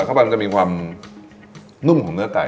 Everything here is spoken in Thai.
เข้าไปมันจะมีความนุ่มของเนื้อไก่